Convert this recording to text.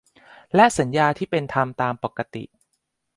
และสัญญาที่เป็นธรรมตามปกติ